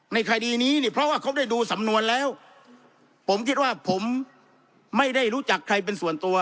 คดีนี้เนี่ยเพราะว่าเขาได้ดูสำนวนแล้วผมคิดว่าผมไม่ได้รู้จักใครเป็นส่วนตัว